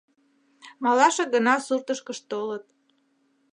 Малашак гына суртышкышт толыт.